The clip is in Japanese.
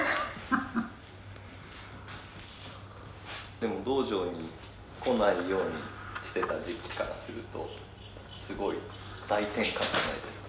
でも洞場に来ないようにしてた時期からするとすごい大転換じゃないですか。